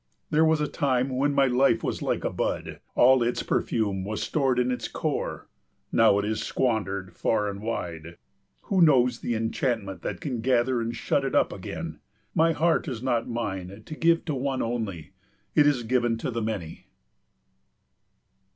There was a time when my life was like a bud, all its perfume was stored in its core. Now it is squandered far and wide. Who knows the enchantment that can gather and shut it up again? My heart is not mine to give to one only, it is given to the many.